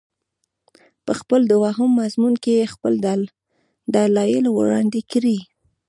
په خپل دوهم مضمون کې یې خپل دلایل وړاندې کړي.